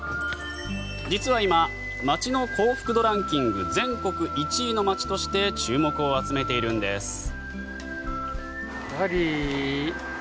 実は今、街の幸福度ランキング全国１位の町として注目を集めているんです。